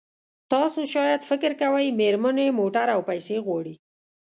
تاسو شاید فکر کوئ مېرمنې موټر او پیسې غواړي.